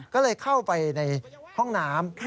ก็เลยเข้าไปในห้องน้ำ